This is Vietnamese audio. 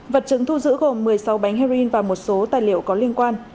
vật chứng thu giữ gồm một mươi sáu bánh heroin và một số tài liệu có liên quan